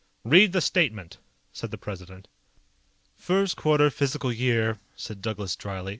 "Read the statement," said the President. "First quarter fiscal year," said Douglas dryly.